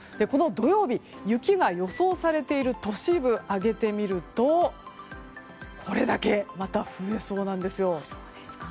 この土曜日雪が予想されている都市部を挙げてみるとこれだけまた増えそうなんです。